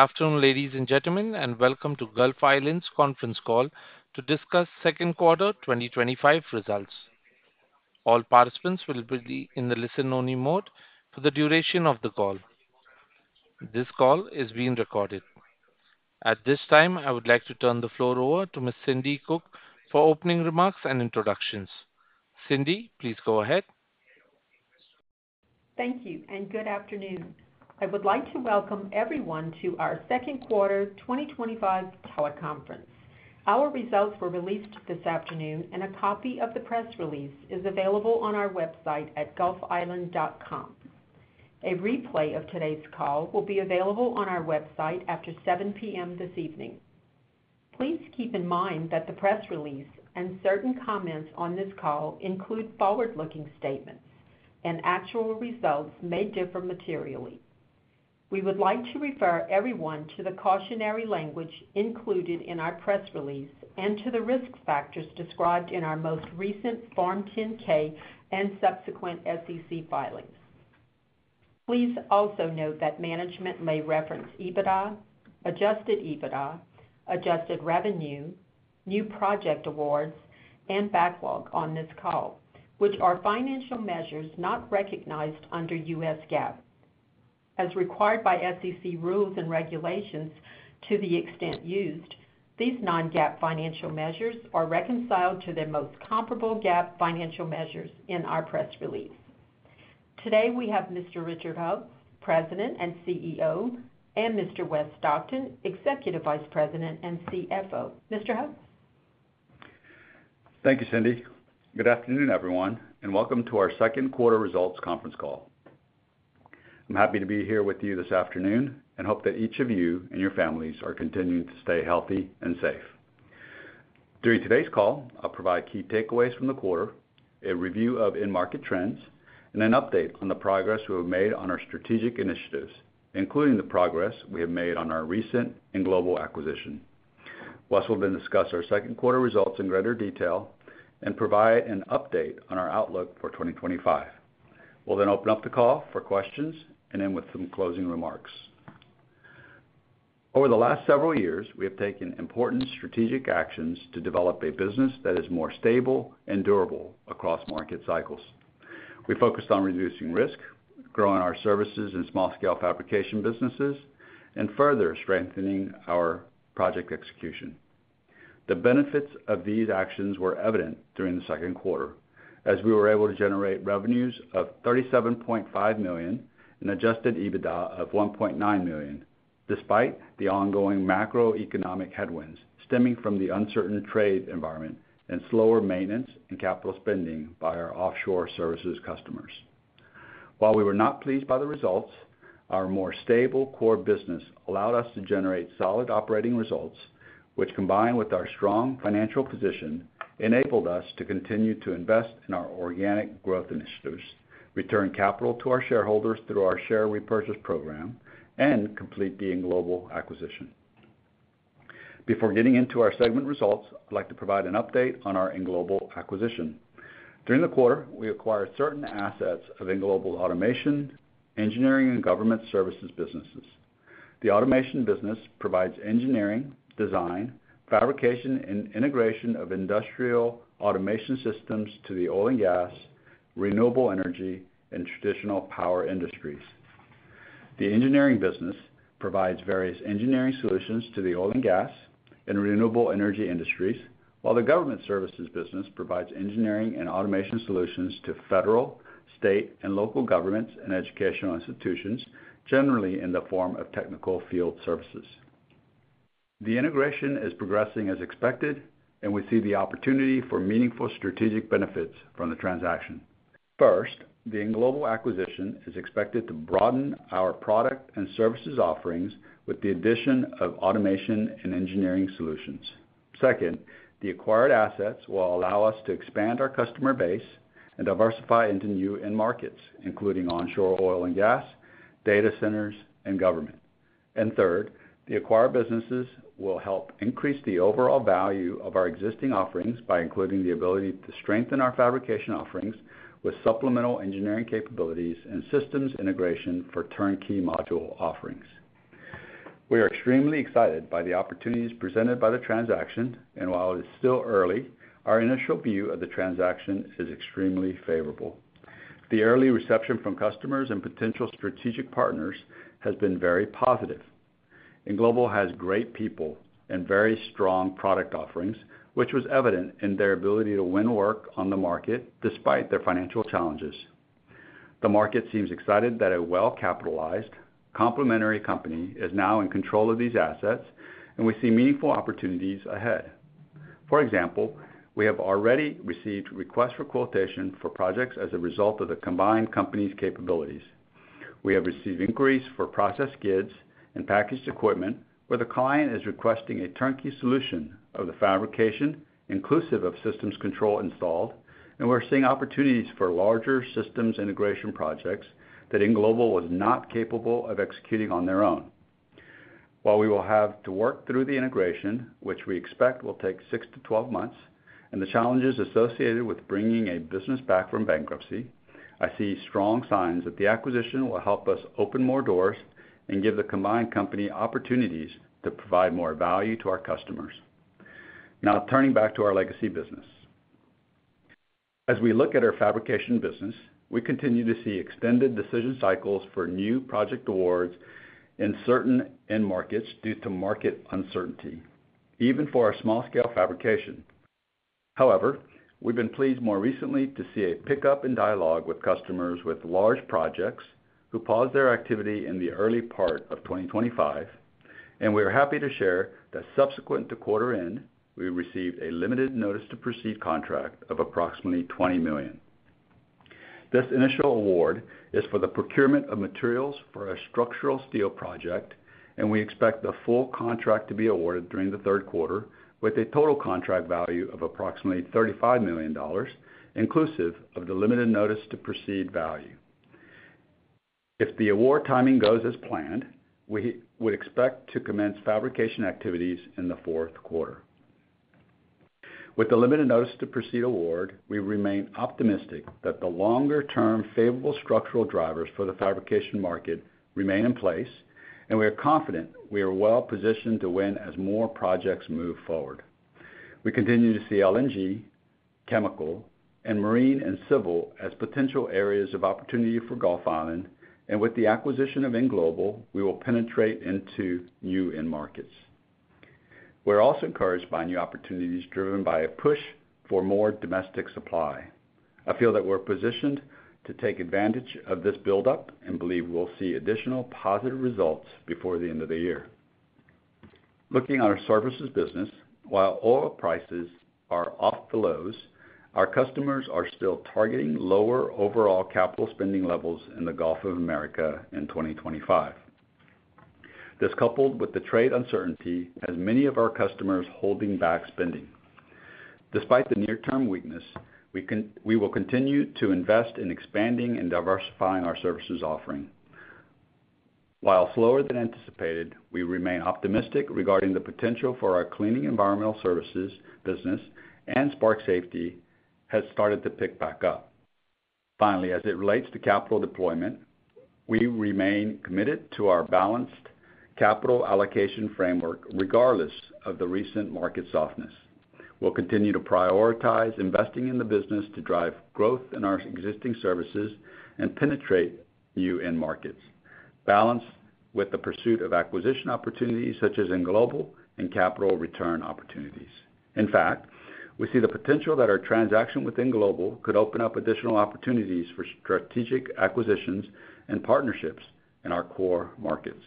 Afternoon, ladies and gentlemen, and welcome to Gulf Island Fabrication's conference call to discuss second quarter 2025 results. All participants will be in the listen-only mode for the duration of the call. This call is being recorded. At this time, I would like to turn the floor over to Ms. Cindi Cook for opening remarks and introductions. Cindi, please go ahead. Thank you, and good afternoon. I would like to welcome everyone to our second quarter 2025 power conference. Our results were released this afternoon, and a copy of the press release is available on our website at gulfisland.com. A replay of today's call will be available on our website after 7:00 P.M. this evening. Please keep in mind that the press release and certain comments on this call include forward-looking statements, and actual results may differ materially. We would like to refer everyone to the cautionary language included in our press release and to the risk factors described in our most recent Form 10-K and subsequent SEC filings. Please also note that management may reference EBITDA, adjusted EBITDA, adjusted revenue, new project awards, and backlog on this call, which are financial measures not recognized under U.S. GAAP. As required by SEC rules and regulations to the extent used, these non-GAAP financial measures are reconciled to the most comparable GAAP financial measures in our press release. Today, we have Mr. Richard Heo, President and CEO, and Mr. Wes Stockton, Executive Vice President and CFO. Mr. Heo. Thank you, Cindi. Good afternoon, everyone, and welcome to our second quarter results conference call. I'm happy to be here with you this afternoon and hope that each of you and your families are continuing to stay healthy and safe. During today's call, I'll provide key takeaways from the quarter, a review of in-market trends, and an update on the progress we've made on our strategic initiatives, including the progress we have made on our recent ENGlobal acquisition. We'll also discuss our second quarter results in greater detail and provide an update on our outlook for 2025. We'll then open up the call for questions and end with some closing remarks. Over the last several years, we have taken important strategic actions to develop a business that is more stable and durable across market cycles. We focused on reducing risk, growing our services in small-scale fabrication businesses, and further strengthening our project execution. The benefits of these actions were evident during the second quarter, as we were able to generate revenues of $37.5 million and an adjusted EBITDA of $1.9 million, despite the ongoing macroeconomic headwinds stemming from the uncertain trade environment and slower maintenance and capital spending by our offshore services customers. While we were not pleased by the results, our more stable core business allowed us to generate solid operating results, which, combined with our strong financial position, enabled us to continue to invest in our organic growth initiatives, return capital to our shareholders through our share repurchase program, and complete the ENGlobal acquisition. Before getting into our segment results, I'd like to provide an update on our ENGlobal acquisition. During the quarter, we acquired certain assets of ENGlobal automation, engineering, and government services businesses. The automation business provides engineering, design, fabrication, and integration of industrial automation systems to the oil and gas, renewable energy, and traditional power industries. The engineering business provides various engineering solutions to the oil and gas and renewable energy industries, while the government services business provides engineering and automation solutions to federal, state, and local governments and educational institutions, generally in the form of technical field services. The integration is progressing as expected, and we see the opportunity for meaningful strategic benefits from the transaction. First, the ENGlobal acquisition is expected to broaden our product and services offerings with the addition of automation and engineering solutions. Second, the acquired assets will allow us to expand our customer base and diversify into new end markets, including onshore oil and gas, data centers, and government. Third, the acquired businesses will help increase the overall value of our existing offerings by including the ability to strengthen our fabrication offerings with supplemental engineering capabilities and systems integration for turnkey module offerings. We are extremely excited by the opportunities presented by the transaction, and while it is still early, our initial view of the transaction is extremely favorable. The early reception from customers and potential strategic partners has been very positive. ENGlobal has great people and very strong product offerings, which was evident in their ability to win work on the market despite their financial challenges. The market seems excited that a well-capitalized, complementary company is now in control of these assets, and we see meaningful opportunities ahead. For example, we have already received requests for quotation for projects as a result of the combined company's capabilities. We have received inquiries for processed goods and packaged equipment where the client is requesting a turnkey solution of the fabrication, inclusive of systems control installed, and we're seeing opportunities for larger systems integration projects that ENGlobal was not capable of executing on their own. While we will have to work through the integration, which we expect will take 6 to 12 months, and the challenges associated with bringing a business back from bankruptcy, I see strong signs that the acquisition will help us open more doors and give the combined company opportunities to provide more value to our customers. Now, turning back to our legacy business. As we look at our fabrication business, we continue to see extended decision cycles for new project awards in certain end markets due to market uncertainty, even for our small-scale fabrication. However, we've been pleased more recently to see a pickup in dialogue with customers with large projects who paused their activity in the early part of 2025, and we are happy to share that subsequent to quarter end, we received a limited notice to proceed contract of approximately $20 million. This initial award is for the procurement of materials for a structural steel project, and we expect the full contract to be awarded during the third quarter with a total contract value of approximately $35 million, inclusive of the limited notice to proceed value. If the award timing goes as planned, we would expect to commence fabrication activities in the fourth quarter. With the limited notice to proceed award, we remain optimistic that the longer-term favorable structural drivers for the fabrication market remain in place, and we are confident we are well positioned to win as more projects move forward. We continue to see LNG, chemical, and marine and civil as potential areas of opportunity for Gulf Island, and with the acquisition of ENGlobal Corporation, we will penetrate into new end markets. We're also encouraged by new opportunities driven by a push for more domestic supply. I feel that we're positioned to take advantage of this buildup and believe we'll see additional positive results before the end of the year. Looking at our services business, while oil prices are off the lows, our customers are still targeting lower overall capital spending levels in the Gulf of America in 2025. This, coupled with the trade uncertainty, has many of our customers holding back spending. Despite the near-term weakness, we will continue to invest in expanding and diversifying our services offering. While slower than anticipated, we remain optimistic regarding the potential for our cleaning and environmental services business, and Spark Safety has started to pick back up. Finally, as it relates to capital deployment, we remain committed to our balanced capital allocation framework regardless of the recent market softness. We'll continue to prioritize investing in the business to drive growth in our existing services and penetrate new end markets, balanced with the pursuit of acquisition opportunities such as ENGlobal Corporation and capital return opportunities. In fact, we see the potential that our transaction with ENGlobal Corporation could open up additional opportunities for strategic acquisitions and partnerships in our core markets.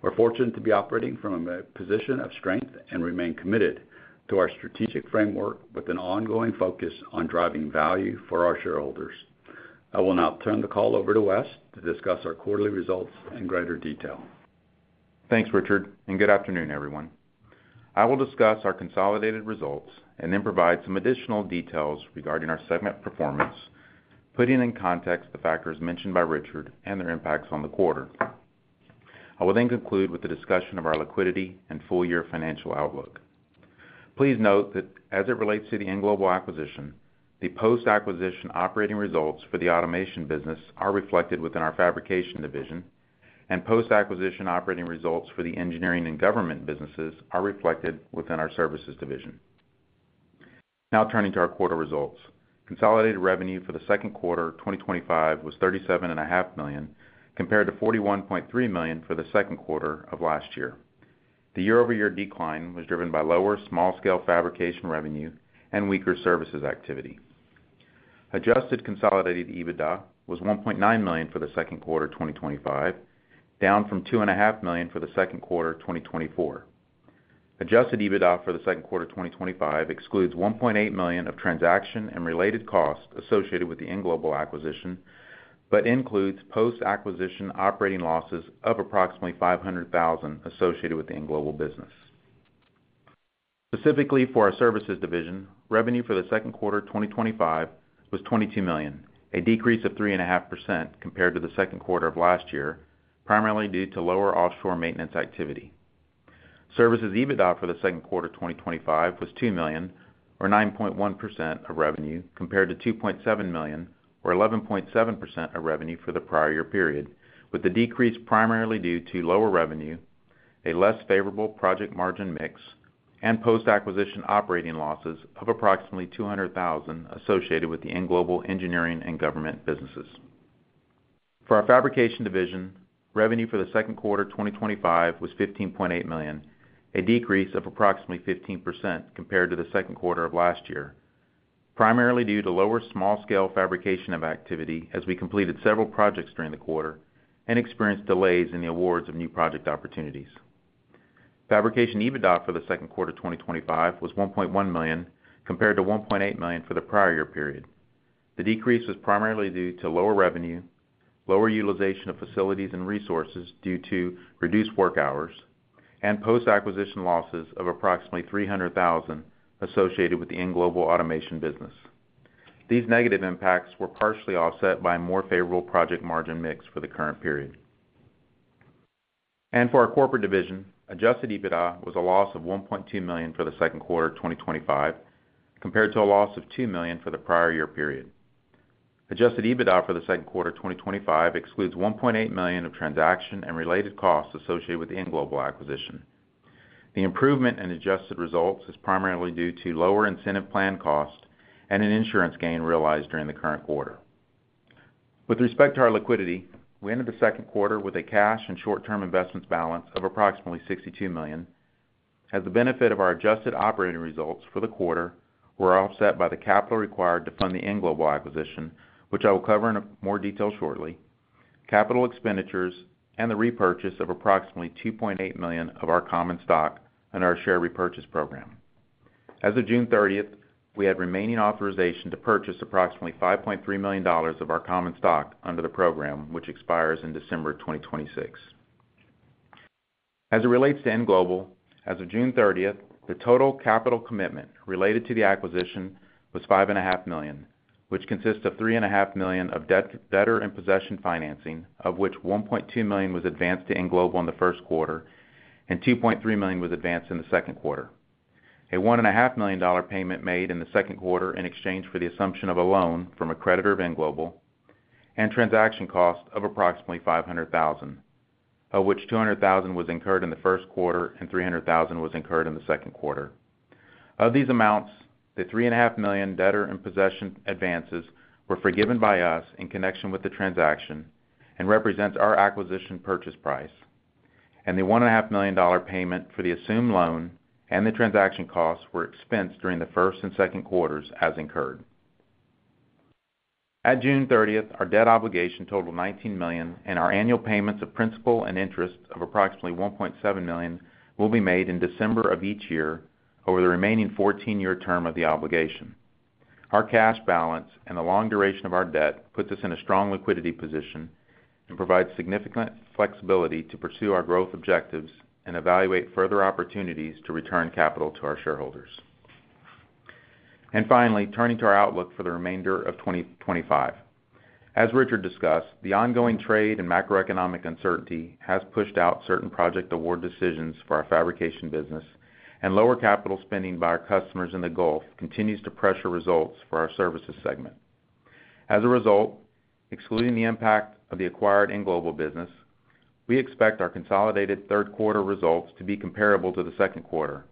We're fortunate to be operating from a position of strength and remain committed to our strategic framework with an ongoing focus on driving value for our shareholders. I will now turn the call over to Wes to discuss our quarterly results in greater detail. Thanks, Richard, and good afternoon, everyone. I will discuss our consolidated results and then provide some additional details regarding our segment performance, putting in context the factors mentioned by Richard and their impacts on the quarter. I will then conclude with a discussion of our liquidity and full-year financial outlook. Please note that as it relates to the ENGlobal acquisition, the post-acquisition operating results for the automation business are reflected within our fabrication division, and post-acquisition operating results for the engineering and government businesses are reflected within our services division. Now turning to our quarter results, consolidated revenue for the second quarter 2025 was $37.5 million compared to $41.3 million for the second quarter of last year. The year-over-year decline was driven by lower small-scale fabrication revenue and weaker services activity. Adjusted consolidated EBITDA was $1.9 million for the second quarter 2025, down from $2.5 million for the second quarter 2024. Adjusted EBITDA for the second quarter 2025 excludes $1.8 million of transaction and related costs associated with the ENGlobal acquisition, but includes post-acquisition operating losses of approximately $500,000 associated with the ENGlobal business. Specifically for our services division, revenue for the second quarter 2025 was $22 million, a decrease of 3.5% compared to the second quarter of last year, primarily due to lower offshore maintenance activity. Services EBITDA for the second quarter 2025 was $2 million, or 9.1% of revenue, compared to $2.7 million, or 11.7% of revenue for the prior year period, with the decrease primarily due to lower revenue, a less favorable project margin mix, and post-acquisition operating losses of approximately $200,000 associated with the ENGlobal engineering and government businesses. For our fabrication division, revenue for the second quarter 2025 was $15.8 million, a decrease of approximately 15% compared to the second quarter of last year, primarily due to lower small-scale fabrication activity as we completed several projects during the quarter and experienced delays in the awards of new project opportunities. Fabrication EBITDA for the second quarter 2025 was $1.1 million compared to $1.8 million for the prior year period. The decrease was primarily due to lower revenue, lower utilization of facilities and resources due to reduced work hours, and post-acquisition losses of approximately $300,000 associated with the ENGlobal automation business. These negative impacts were partially offset by a more favorable project margin mix for the current period. For our corporate division, adjusted EBITDA was a loss of $1.2 million for the second quarter 2025 compared to a loss of $2 million for the prior year period. Adjusted EBITDA for the second quarter 2025 excludes $1.8 million of transaction and related costs associated with the ENGlobal acquisition. The improvement in adjusted results is primarily due to lower incentive plan cost and an insurance gain realized during the current quarter. With respect to our liquidity position, we ended the second quarter with a cash and short-term investments balance of approximately $62 million, as the benefit of our adjusted operating results for the quarter were offset by the capital required to fund the ENGlobal acquisition, which I will cover in more detail shortly, capital expenditures, and the repurchase of approximately $2.8 million of our common stock under our share repurchase program. As of June 30th, we had remaining authorization to purchase approximately $5.3 million of our common stock under the program, which expires in December, 2026. As it relates to ENGlobal, as of June 30th, the total capital commitment related to the acquisition was $5.5 million, which consists of $3.5 million of debtor in possession financing, of which $1.2 million was advanced to ENGlobal in the first quarter and $2.3 million was advanced in the second quarter. $1.5 million payment was made in the second quarter in exchange for the assumption of a loan from a creditor of ENGlobal and transaction costs of approximately $500,000, of which $200,000 was incurred in the first quarter and $300,000 was incurred in the second quarter. Of these amounts, the $3.5 million debtor in possession advances were forgiven by us in connection with the transaction and represent our acquisition purchase price, and the $1.5 million payment for the assumed loan and the transaction costs were expensed during the first and second quarters as incurred. At June 30th, our debt obligation totaled $19 million, and our annual payments of principal and interest of approximately $1.7 million will be made in December of each year over the remaining 14-year term of the obligation. Our cash balance and the long duration of our debt put us in a strong liquidity position and provide significant flexibility to pursue our growth objectives and evaluate further opportunities to return capital to our shareholders. Finally, turning to our outlook for the remainder of 2025. As Richard discussed, the ongoing trade and macroeconomic uncertainty has pushed out certain project award decisions for our fabrication business, and lower capital spending by our customers in the Gulf continues to pressure results for our services segment. As a result, excluding the impact of the acquired ENGlobal Corporation business, we expect our consolidated third quarter results to be comparable to the second quarter.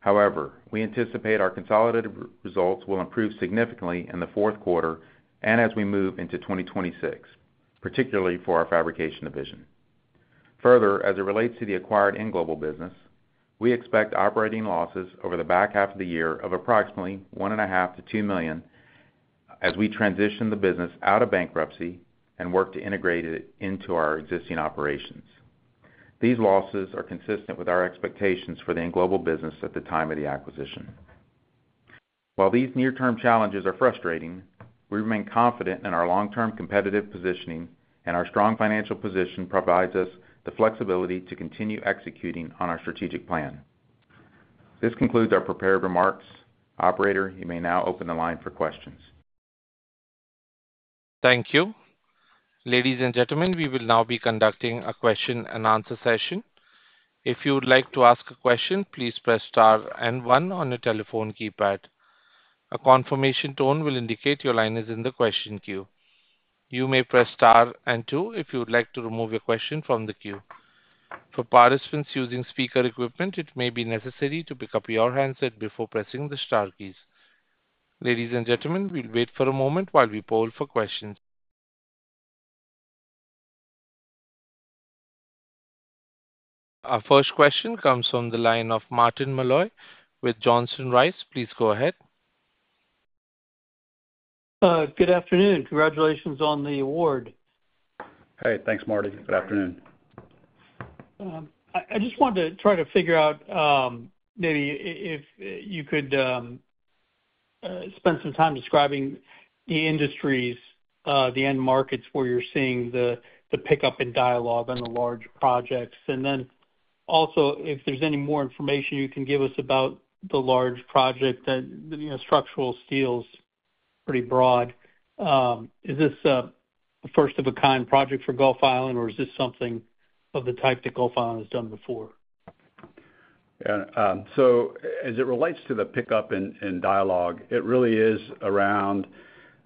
However, we anticipate our consolidated results will improve significantly in the fourth quarter and as we move into 2026, particularly for our fabrication division. Further, as it relates to the acquired ENGlobal Corporation business, we expect operating losses over the back half of the year of approximately $1.5 million - $2 million as we transition the business out of bankruptcy and work to integrate it into our existing operations. These losses are consistent with our expectations for the ENGlobal Corporation business at the time of the acquisition. While these near-term challenges are frustrating, we remain confident in our long-term competitive positioning, and our strong financial position provides us the flexibility to continue executing on our strategic plan. This concludes our prepared remarks. Operator, you may now open the line for questions. Thank you. Ladies and gentlemen, we will now be conducting a question and answer session. If you would like to ask a question, please press star and one on your telephone keypad. A confirmation tone will indicate your line is in the question queue. You may press star and two if you would like to remove your question from the queue. For participants using speaker equipment, it may be necessary to pick up your handset before pressing the star keys. Ladies and gentlemen, we'll wait for a moment while we poll for questions. Our first question comes from the line of Martin Malloy with Johnson Rice & Company L.L.C. Please go ahead. Good afternoon. Congratulations on the award. Hey, thanks, Martin. Good afternoon. I just wanted to try to figure out maybe if you could spend some time describing the industries, the end markets where you're seeing the pickup in dialogue and the large projects. If there's any more information you can give us about the large project that, you know, structural steel is pretty broad. Is this a first of a kind project for Gulf Island Fabrication, or is this something of the type that Gulf Island Fabrication has done before? Yeah. As it relates to the pickup in dialogue, it really is around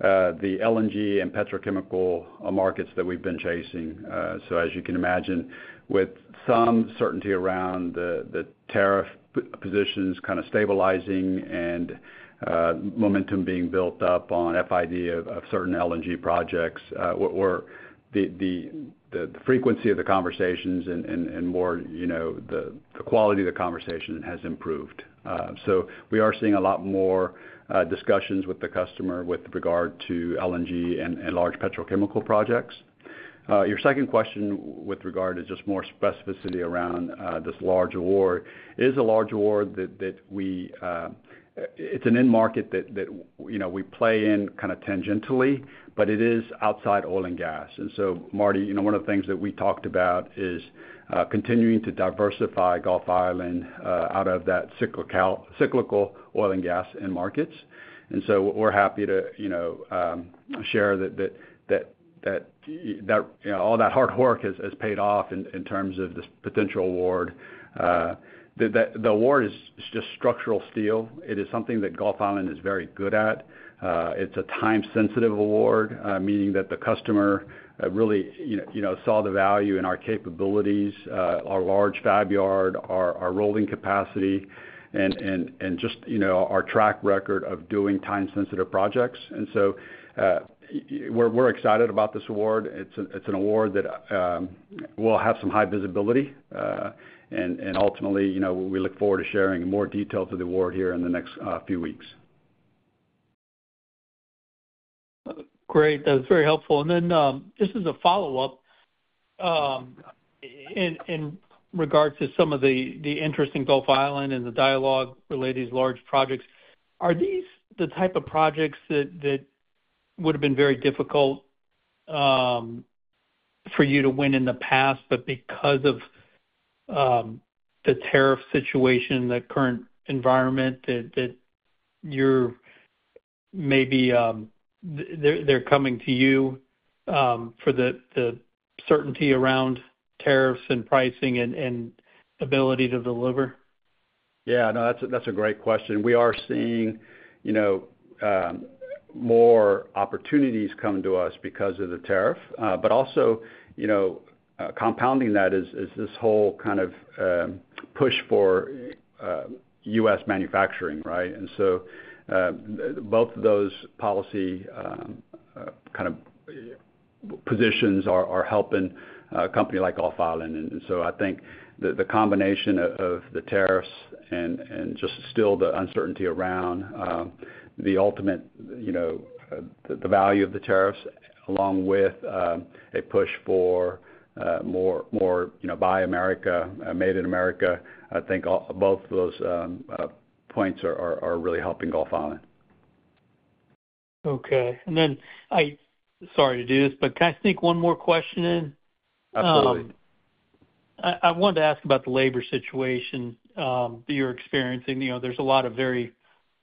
the LNG and petrochemical markets that we've been chasing. As you can imagine, with some certainty around the tariff positions kind of stabilizing and momentum being built up on FID of certain LNG projects, the frequency of the conversations and, you know, the quality of the conversation has improved. We are seeing a lot more discussions with the customer with regard to LNG and large petrochemical projects. Your second question with regard to just more specificity around this large award is a large award that we, it's an end market that, you know, we play in kind of tangentially, but it is outside oil and gas. Marty, one of the things that we talked about is continuing to diversify Gulf Island Fabrication out of that cyclical oil and gas end markets. We're happy to share that, you know, all that hard work has paid off in terms of this potential award. The award is just structural steel. It is something that Gulf Island Fabrication is very good at. It's a time-sensitive award, meaning that the customer really saw the value in our capabilities, our large fab yard, our rolling capacity, and just, you know, our track record of doing time-sensitive projects. We're excited about this award. It's an award that will have some high visibility. Ultimately, we look forward to sharing more details of the award here in the next few weeks. Great. That was very helpful. Just as a follow-up in regard to some of the interest in Gulf Island Fabrication and the dialogue related to these large projects, are these the type of projects that would have been very difficult for you to win in the past, but because of the tariff situation, the current environment that you're in, maybe they're coming to you for the certainty around tariffs and pricing and ability to deliver? Yeah, that's a great question. We are seeing more opportunities come to us because of the tariff. Also, compounding that is this whole kind of push for U.S. manufacturing, right? Both of those policy positions are helping a company like Gulf Island Fabrication. I think the combination of the tariffs and just still the uncertainty around the ultimate value of the tariffs, along with a push for more buy America, made in America, I think both of those points are really helping Gulf Island Fabrication. Okay. I'm sorry to do this, but can I sneak one more question in? Absolutely. I wanted to ask about the labor situation that you're experiencing. There's a lot of very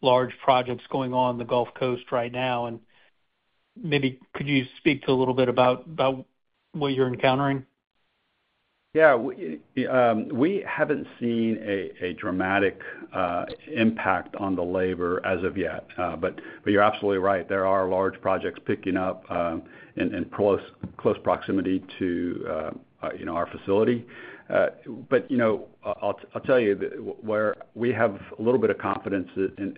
large projects going on in the Gulf Coast right now. Maybe could you speak to a little bit about what you're encountering? Yeah. We haven't seen a dramatic impact on the labor as of yet. You're absolutely right, there are large projects picking up in close proximity to, you know, our facility. I'll tell you that where we have a little bit of confidence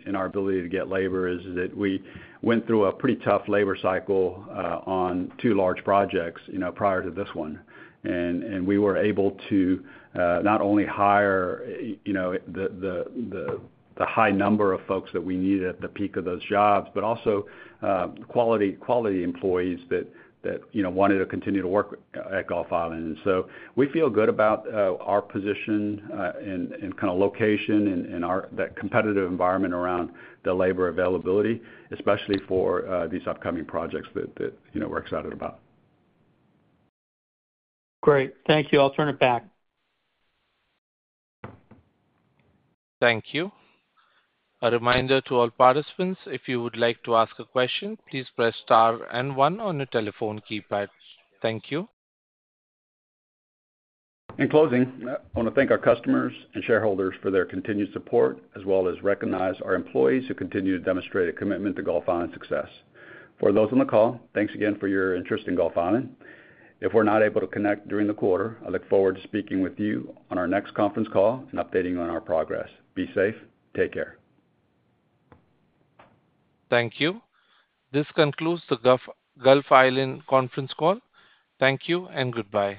in our ability to get labor is that we went through a pretty tough labor cycle on two large projects prior to this one. We were able to not only hire the high number of folks that we needed at the peak of those jobs, but also quality employees that wanted to continue to work at Gulf Island. We feel good about our position and kind of location and that competitive environment around the labor availability, especially for these upcoming projects that we're excited about. Great, thank you. I'll turn it back. Thank you. A reminder to all participants, if you would like to ask a question, please press star and one on your telephone keypad. Thank you. In closing, I want to thank our customers and shareholders for their continued support, as well as recognize our employees who continue to demonstrate a commitment to Gulf Island Fabrication's success. For those on the call, thanks again for your interest in Gulf Island Fabrication. If we're not able to connect during the quarter, I look forward to speaking with you on our next conference call and updating you on our progress. Be safe. Take care. Thank you. This concludes the Gulf Island Fabrication conference call. Thank you and goodbye.